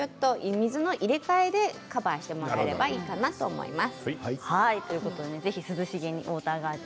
水の入れ替えでカバーしてもらえればと思います。